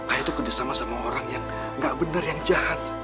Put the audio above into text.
ayah itu kerjasama sama orang yang gak benar yang jahat